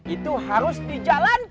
itu harus di jalan